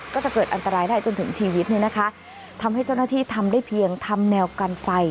ก็จะเกิดอันตรายได้จนถึงชีวิตเนี่ยนะคะทำให้เจ้าหน้าที่ทำได้เพียงทำแนวกันไฟ